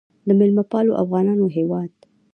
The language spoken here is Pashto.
د میلمه پالو افغانانو هیواد.